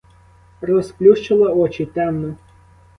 Розплющила очі — темно.